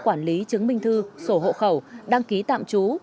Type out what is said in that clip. quản lý chứng minh thư sổ hộ khẩu đăng ký tạm trú